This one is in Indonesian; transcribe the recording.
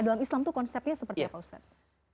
dalam islam itu konsepnya seperti apa ustadz